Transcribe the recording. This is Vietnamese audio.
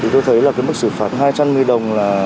tôi thấy mức xử phạt hai trăm một mươi đồng